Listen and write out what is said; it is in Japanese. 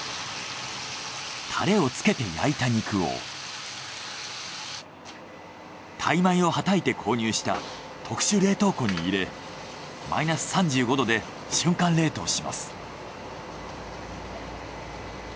タレをつけて焼いた肉を大枚をはたいて購入した特殊冷凍庫に入れマイナス３５℃で瞬間冷凍します。